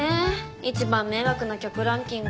一番迷惑な客ランキング